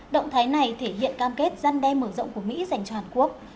động thái này thể hiện cam kết gian đe mở rộng của mỹ dành cho hàn quốc